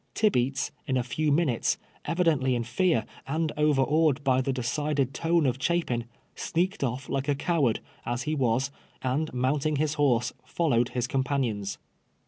Tibeats, in a few minutes, evidently in fear, and overawed by the deci ded tone of Chapin, sneaked oft" like a coward, as he was, and mounting his horse, followed his companions.